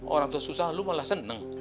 orang tua susah lu malah seneng